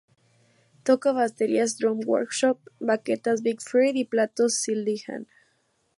Toca baterías "Drum Workshop", baquetas "Vic Firth", y platos "Zildjian".